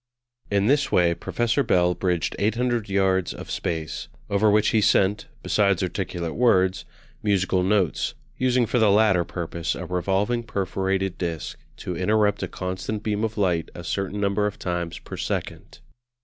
In this way Professor Bell bridged 800 yards of space; over which he sent, besides articulate words, musical notes, using for the latter purpose a revolving perforated disc to interrupt a constant beam of light a certain number of times per second.